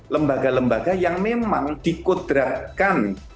lembaga lembaga yang memang dikodratkan